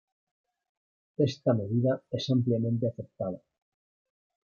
Esta medida es ampliamente aceptada.